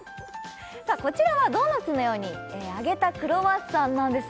こちらはドーナツのように揚げたクロワッサンなんです